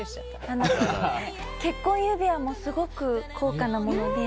結婚指輪もすごく高価なもので。